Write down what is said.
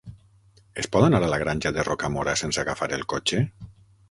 Es pot anar a la Granja de Rocamora sense agafar el cotxe?